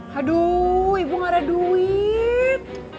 haduh ibu ga ada duit